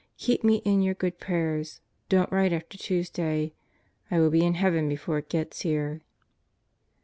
Keep me in your good prayers. Don't write after Tuesday. I will be in heaven before it gets here.